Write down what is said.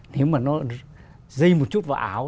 nếu mà nó dây một chút vào áo